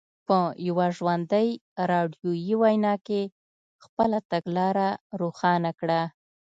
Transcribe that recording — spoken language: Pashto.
په یوه ژوندۍ راډیویي وینا کې خپله تګلاره روښانه کړه.